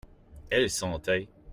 Elle le sentait.